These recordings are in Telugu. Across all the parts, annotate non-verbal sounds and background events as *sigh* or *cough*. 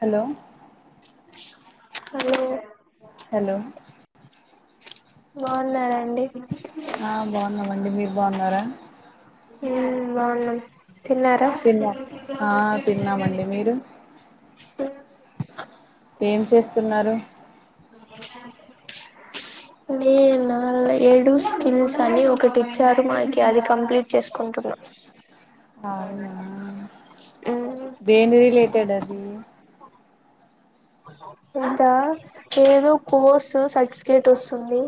హలో హలో హలో బాగున్నారా అండి ఆ బాగున్నామండి మీరు బాగున్నారా మ్మ్ బాగున్నాం తిన్నారా తిన్నాం ఆ తిన్నామండి మీరు ఏం చేస్తున్నారు నేనా ఏడు స్కిల్స్ అని ఒకటి ఇచారూ మాకి అది కంప్లీట్ చేసుకుంటున్నా అవునా దేని రిలేటెడ్ అది ఇదా ఏదో కోర్సు సర్టిఫికేట్ వస్తుంది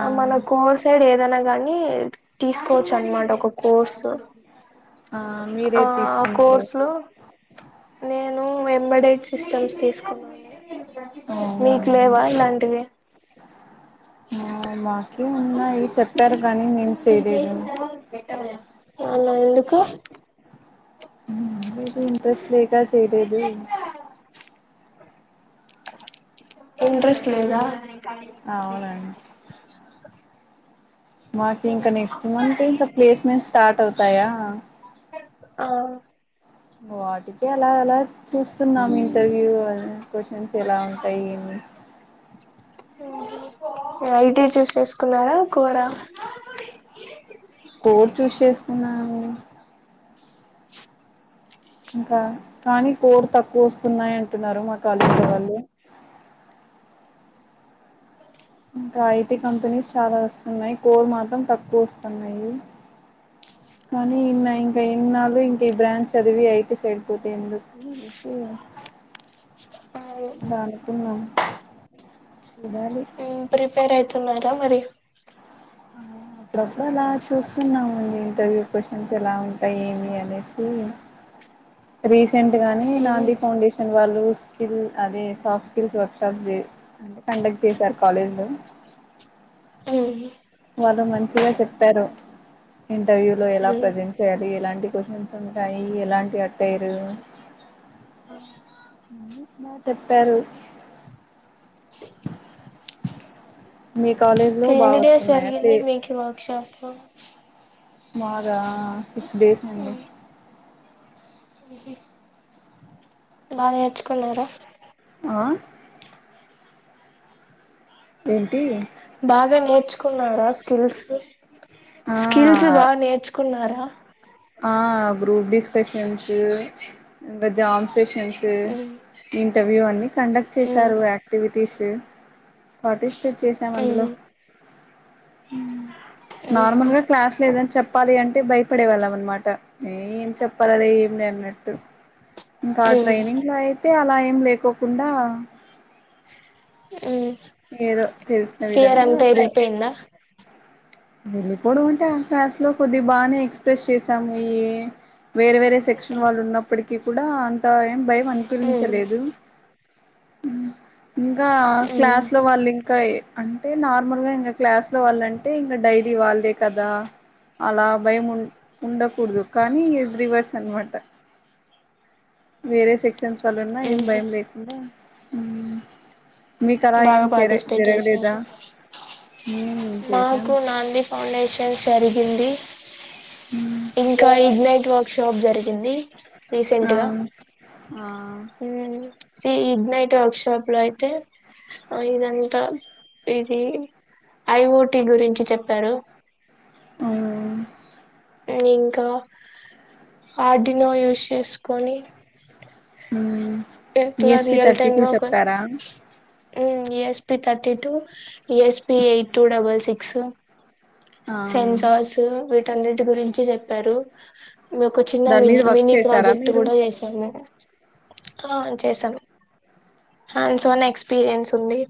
ఆ మన కోర్ సైడ్ ఏదైనా గాని తీసుకోవచ్చు అన్మాట ఒక కోర్సు ఆ మీరే ఆ తీసుకున్నారు కోర్సు నేను వెంబడే ఇచ్ సిస్టమ్స్ తీసుకున్నా అవునా మీకు లేవా ఇలాంటివి ఆ మాకీ ఉన్నాయి చెప్పారు కానీ నేను చేయలేదు అలా ఎందుకు లేదు ఇంట్రెస్ట్ లేక చేయలేదు ఇంట్రెస్ట్ లేదా అ అవునండి *unintelligible* మాకు ఇంకా నెక్స్ట్ మంత్ ఇంకా ప్లేస్మెంట్ స్టార్ట్ అవుతాయా ఆ వా వాటికి ఎలా అలా చూస్తున్నా ఇంటర్వ్యూ క్వశ్చన్స్ ఎలా ఉంటాయి ఐటీ చూస్ చేసుకున్నారా కోడ్ చూస్ చేసుకున్నాను ఇంకా కానీ కోడ్ తక్కువ వస్తున్నాయి అంటున్నారు మా కాలేజీ ల వాళ్ళు *inaudible* టి కంపెనీస్ చాలా వస్తున్నాయి కోడ్ మాత్రం తక్కువ వస్తున్నాయి కానీ ఇన్న ఇంకా ఎన్నాళ్ళ ఇంకా ఈ బ్రాంచ్ చదివి ఐటీ సైడ్ పోతే ఎందుకు అనేనేసి దానుకున్నా ఇనాలి ప్రీపేరతున్నారా మరి అప్పుడప్పుడు ఇలా చూస్తున్నామండి ఇంటర్వ్యూ క్వశ్చన్స్ ఎలా ఉంటాయి ఏమి అనేసి రీసెంట్ గాని నాంది ఫౌండేషన్ వాళ్ళు స్కిల్ అదే సాఫ్ట్ స్కిల్స్ వర్షాప్ అంటే కండక్ట్ చేసారు కాలేజ్ లో ప్చ్ వాళ్ళు మంచిగా చెప్పారు ఇంటర్వ్యూల ఎలా ప్రజెంట్ చేయాలి. ఎలాంటి క్వశ్చన్స్ ఉంటాయి, ఎలాంటి అట్టయారు అ చెప్పారు మీ కాలేజ్ లో బాగా ఎన్ని డేస్ వస్తున్నాయ ప్లే జరిగింది మీకు వర్క్ షాప్ మదా సిక్స్ డేస్ ముందు ఊ హు బాగ నేర్చుకున్నారా ఆ ఏంటి బాగా నేర్చుకున్నారా స్కిల్స్ స్కిల్స్ ఆ బాగా నేర్చుకున్నారా ఆ గ్రూప్ డిస్కషన్స్ ఇకా జామ్ సెషన్స్ ఇంటర్వ్యూ అన్ని కండక్ట్ చేసారు యాక్టివిటీస్ పార్టిసిపేట్ చేసాం అందులో *inaudible* నార్మల్ గా క్లాస్ లో ఏదనా చెప్పాలి అంటే భయపడే వాళ్ళం అనమాట ఏం చెప్పాలరే ఏం లే దట్ ఇంకా ట్రైనింగ్ లో అయితే అలా ఏం లేకోకుండా ఏదో తెలిసిన ఫియర్ విధంగా అంతా వెళ్ళిపోయిందా వెళ్ళిపోవడం అంటే ఆ క్లాస్ లో కొద్ది బానే ఎక్స్ప్రెస్ చేసామయ. వేరే వేరే సెక్షన్ వాళ్ళు ఉన్నప్పటికీ కూడా అంత ఏం భయం ఉ అనుపిఇంచలేదు. ఇకా క్లాస్ లో వాళ్ళు ఇంకా అంటే నార్మల్గా ఇంకా క్లాస్ లో వాళ్ళంటే ఇంకా డైలి ఇ వాళ్ళదే కదా అలా భయం ఉ ఉండకూడదు కానీ రివర్స్ అనమాట వేరే సెక్షన్స్ వల్ల ఉన్నా ఏం భయం లేకుండా మీ తలా బాగా ఏంచేరే పార్టిసిపేట్ జరగలేదా చేశారు మ్ చేసాం మాకు నాంది ఫౌండేషన్స్ జరిగింది మ్ ఇంకా ఇగ్ నైట్ వర్క్ షాప్ జరిగింది ఆ రీసెంట్గా ఆ ఉమ్ ఈ ఇగ్ నైట్ వర్క్షోషాప్ అయితే ఆ ఇదంతా ఇది ఐ ఒ టి గురించి చెప్పారు ఆ ఇంకా ఆటినో యూస్ చేసుకొని ఊ ఎట్ల రియల్ టైమ్ లో ఒక ఉ ఎస్ పిత two E S P eight two double six ఆ సెన్సార్స్ వీటన్నిటి గురించి చెప్పారు ఒక చిన్న దాని మీద మిని వర్క్ మినీ చేసారా ప్రాజెక్ట్ మీరు కూడా చేసాము మేము ఆ చేసాం హన్స్మన్న ఎక్స్పీరియన్స్ ఉంది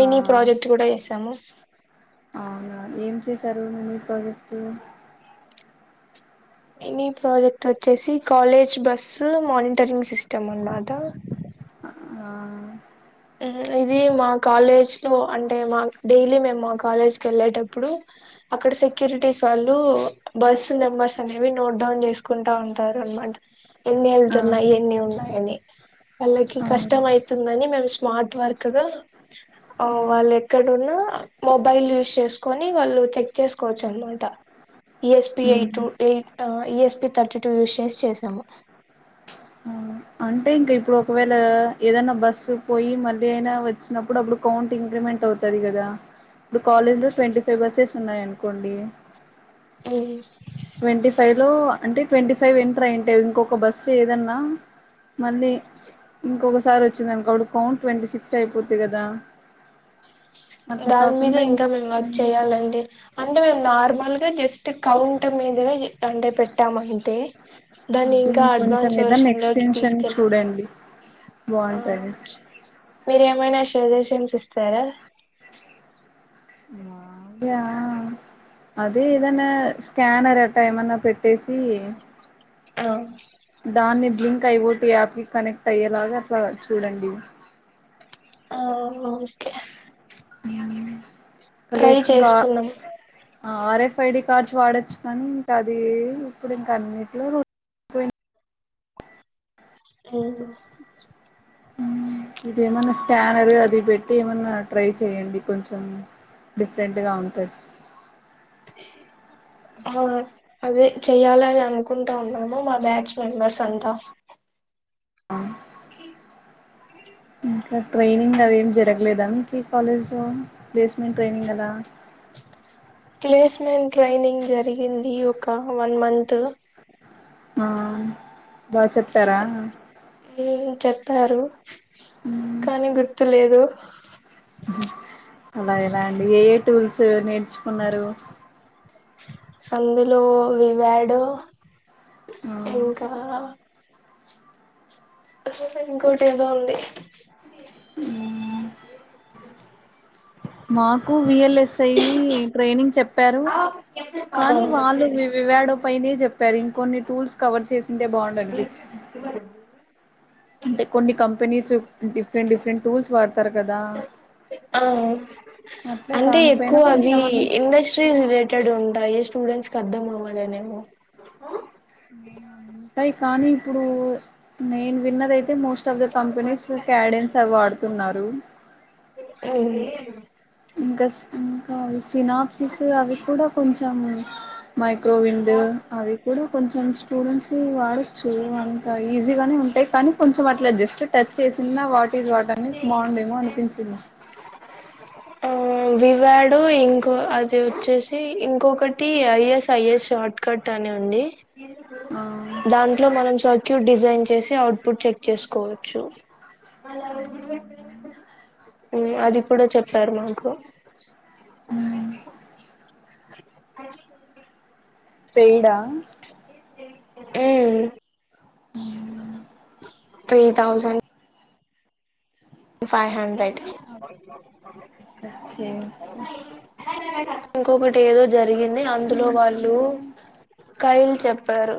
మిని ఆ ప్రాజెక్ట్ కూడా చేసాము అవునా ఏం చేశారు మినీ ప్రాజెక్టు ఎనీ ప్రాజెక్ట్ వచ్చేసి కాలేజ్ బస్సు మానిటరింగ్ సిస్టమ్ అన్నమాట ఆ ఇది మా కాలేజ్ లో అంటే మా డైలీ మేము మా కాలేజ్కి వెళ్ళేటప్పుడు అక్కడ సెక్యూరిటీస్ వాళ్ళు బస్ నెంబర్స్ అనేవి నోట్ డౌన్ చేసుకుంటా ఉంటారు అన్నమాట ఎన్ని ఆ వెళ్తున్నాయి ఎన్ని ఉన్నాయని వాళ్ళకి ఆ కష్టం అయితుందని మేము స్మార్ట్ వర్క్ గా ఆ వాళ్ళు ఎక్కడున్నా మొబైల్ యూస్ చేసుకొని వాళ్ళు చెక్ చేసుకోవచ్చు అన్నమాట ఈఎస్పి ఎయిటు ఉమ్ ఎయి ఈఎస్పి థర్టీ టూ యూజ్ చేసి చేసాము *inaudible* అంటే ఇంకా ఇప్పుడు ఒకవేళ ఏదైనా బస్సు పోయి మళ్ళీ అయినా వచ్చినప్పుడు అప్పుడు కౌంటింగ్ కౌంట్ అవుతది కదా ఇప్పుడు కాలేజ్ లో ట్వంటీ ఫైవ్ బసెస్ ఉన్నాయనుకోండి ఉమ్ ట్వంటీ ఫైవ్ లో అంటే ట్వంటీ ఫైవ్ ఎంటరయ్యుంటే ఇంకొక బస్సు ఏదన్నా మళ్ళీ ఇంకొక సారి వచ్చిందనుకో అప్పుడు కౌంట్ ట్వంటీ సిక్స్ అయిపోతది కదా అట్లా దాని మీద కాకుండా ఇంకా మేము వర్క్ ఉమ్ చేయాలండి అంటే మేము నార్మల్ గా జస్ట్ కౌంట్ మీదనే అంటే పెట్టామంతే దాన్ని ఇంకా అడ్వాన్స్ వర్షన్ లోకి ఇన్షన్ తీసుకెళ్ చూడండి ఆ బాగుంటది మీరు ఏమైనా సజెషన్స్ ఇస్తారా యా అదే ఏదన్నా స్కానర్ అట్టా ఏమన్నా పెట్టేసి ఆ దాన్ని బ్లింక్ అయి ఓటి యాప్ కి కనెక్ట్ అయ్యేలాగా అట్లా చూడండి ఆ ఓకే ఉమ్ ట్రై చేస్తున్నాం ఆర్ఎఫ్ ఐడి కార్డ్స్ వాడొచ్చు కానీ ఇంకా అది ఇప్పుడు ఇంక అన్నిటిలో రూ ఉమ్ *inaudible* ఇది ఏమన్నా స్కానర్ అది పెట్టి ఏమన్నా ట్రై చేయండి కొంచెం డిఫరెంట్ గా ఉంటది *inaudible* ఆ అదే చెయ్యాలని అనుకుంటా ఉన్నాము మా బ్యాచ్ మెంబర్స్ అంతా *inaudible* ఆ ఇ ఈ ఇంకా ట్రైనింగ్ అవేం జరగలేదా మీ కాలేజ్ లో ప్లేస్మెంట్ ట్రైనింగ్ ఎలా ప్లేస్మెంట్ ట్రైనింగ్ జరిగింది ఒక వన్ మంత్ ఆ బా చెప్పారా? ఏం చెప్పారు మ్, కానీ గుర్తులేదు అలా ఎలా అండి ఏ ఏ టూల్స్ నేర్చుకున్నారు? సందులో వివాడో ఆ, ఇంకా అస్సలె ఇంకొకటేదో ఉంది. ఉమ్ మాకు వీఎల్ఎ సై ట్రైనింగ్ చెప్పారు ఆ కానీ, వాళ్ళు వివాడో పైనే చె ప్పారు ఇంకొన్ని టూల్స్ కవర్ చేసింటే బావుండు అనిపించి అంటే కొన్ని కంపెనీస్ డిఫరెంట్ డిఫరెంట్ టూల్స్ వాడతారు కదా. ఆవున్ అట్లే అంటే దానిపైన ఎక్కువ అవి కొంచెమన్నా ఇండస్ట్రీ రిలేటెడ్ ఉంటాయి. స్టూడెంట్స్ కి అర్థం అవ్వాలనేమో ఉంటాయి కానీ ఇప్పుడు నేను విన్నదై అయితే most of the companies Cadence అ వాడుతున్నారు. ఏంటి ఇంకాస్ ఇంకావు ఫినాప్సిస్ అవి కూడా కొంచెం మైక్రోవిండ్ అవి కూడా కొంచెం స్టూడెంట్స్ వాడొచ్చు అంత ఈజీగానే ఉంటాయి కానీ కొంచెం అ ఇట్లా జస్ట్ టచ్ చేసిన్న వాటి ఈజ్ వాట్ అని బావుండేమో అనిపించింది. ఆ వివాడో ఇంకో అది వచ్చేసి ఇంకొకటి ఐఎస్ ఐఎస్ షార్ట్కట్ అని నుండి ఆ దాంట్లో మనం సర్క్యూట్ డిజైన్ చేసి అఔట్పుట్ చెక్ చేసుకోవచ్చు. అది కూడా చెప్ తర్మాకు అయింది తేడా మ్ ఉ three thousand five hundred okay okay ఇంకొకటి ఎదో జరిగింది అందులో వాళ్ళు కైలు చెప్పారు.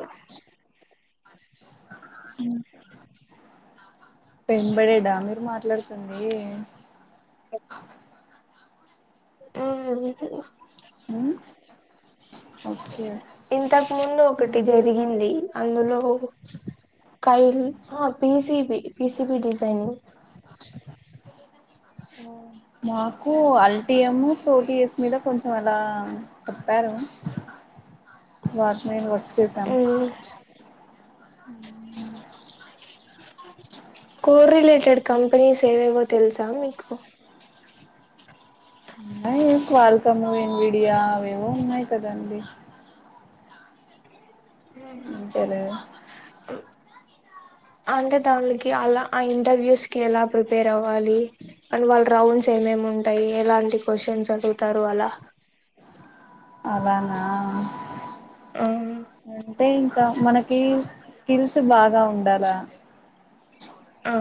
ఉ పెంబడేడా మీరు మాట్లాడుతుంది. ఒ ఆహుహు ఊ ఇంతకు ముందు ఒకటి జరిగింది అందులో ఓ కైల్ ఆ పీసీబీ పీసీడిబీ సైన్ *inaudible* మాకు అల్టిఎమ్ ప్రోటీఎస్ మీద కొంచెం అలా చెప్పారు *inaudible* వాచ్ మెన్ వచ్చేసాం *inaudible* కోరిలేటెడ్ కంపెనీస్ ఏవేవో తెలుసా మీకు ఉన్నయ్ కాల్కమ్ మీడియా అవేవో ఉన్నాయి కదండి అంతేలే అంటే దానికి అలా ఆ ఇంటర్వూస్ కి ఎలా ప్రి పేర్ అవ్వాలి అండ్ వాళ్ళు రౌండ్స్ ఏమేమ్ ఉంటాయి ఎలాంటి క్వశ్చన్స్ అడు తరువలా అలానా ఆ అంటే ఇంకా మనకి స్కిల్స్ బాగా ఉండాలా ఆ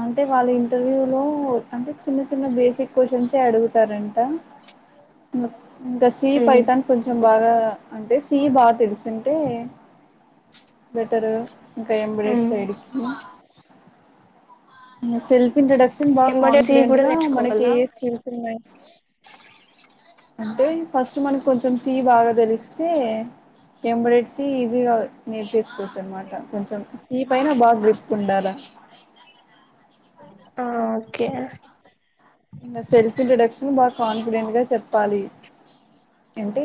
అంటే వాళ్ళ ఇంటర్వ్యూ లో అంటే చిన్న చిన్న బేసిక్ క్వశ్చన్స్ యే అడుగుతారంట ఇంకా సీ ఉమ్ పైతన్ కొంచం బాగా అంటే సీ బాగా తెలుస్తుంటే బెటరు ఇంకా ఏంబ్రేడ్ ఉమ్ సైడికి సెల్ఫ్ ఇంట్రడక్షన్ బాగా ఎంబడే సి కాన్ఫిడెంట్ కూడా గా మనకి నేర్చుకోవాలా ఏ స్కిల్స్ ఉన్నాయి *inaudible* అంటే ఫస్ట్ మనకు కొంచెం సీ బాగా దెలిస్తే ఎమ్బిడేడ్ సి ఈజీగా నేర్చేసుకోవచ్చు అన్నమాట కొంచెం సీ పైన బాగా గ్రిప్పుండాలా అ *inaudible* ఆ ఓకే సెల్ఫ్ ఇంట్రడక్షన్ బాగా కాన్ఫిడెంట్ గా చెప్పాలి ఏంటి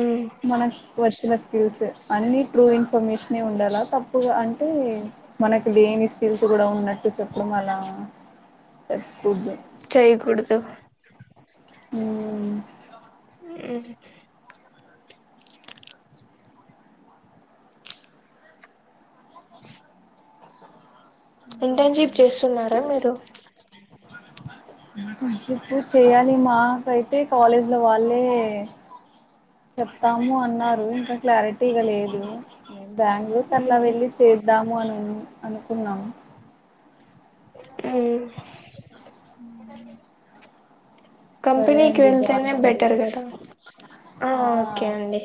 ఉమ్ మన వచ్చిన స్కిల్స్ అన్ని ట్రూ ఇన్ఫర్మేషనే ఉండాలా తప్పుగా అంటే మనకి లేని స్పీల్స్ గూడా ఉన్నట్టు చెప్పడం అలా చెప్పొద్దు చ ఉమ్ ఉమ్ ఇంటేన్ షిప్ చేస్తున్నారా మీరు చేయాలి మాకైతే కాలేజీలో వాళ్ళే చెప్తాము అన్నారు ఇంకా క్లారిటీగా లేదు బ్యాంగుళూరుకి అట్లా ఉమ్ వెళ్ళి చేద్దాము అని అనుకున్నాము ఉమ్ సరే కంపెనీకి అండి బాయ్ వెళ్తేనే అండి బెటర్ గదా ఆ ఓకే అండి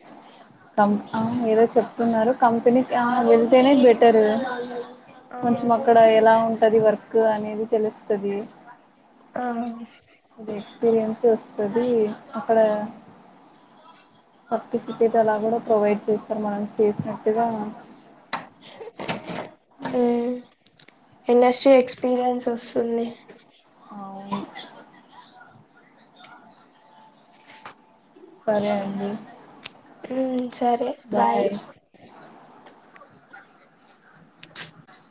*inaudible* కం ఆ ఏదో చెప్తున్నారు కంపెనీకి వెళ్తేనే బెటరు ఆ కొంచెం అక్కడ ఎలా ఉంటది వర్క్ అనేది తెలుస్తది ఆ అది ఎక్స్పీరియన్సే వస్తది అక్కడ సర్టిఫికెట్ అలా గూడా ప్రొవైడ్ చేస్తారు మనం చేసినట్టుగా ఉమ్ ఇండస్ట్రీ ఎక్స్పీరియన్స్ వస్తుంది అవును సరే అండి ఉమ్ సరే బాయ్ *inaudible*